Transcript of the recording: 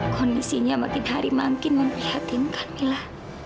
kondisinya makin hari makin memprihatinkan ilah